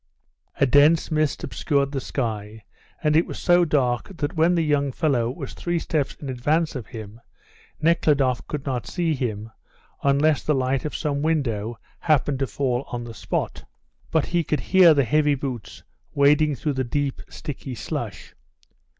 A dense mist obscured the sky, and it was so dark that when the young fellow was three steps in advance of him Nekhludoff could not see him unless the light of some window happened to fall on the spot, but he could hear the heavy boots wading through the deep, sticky slush.